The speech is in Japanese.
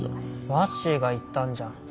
ワッシーが言ったんじゃん。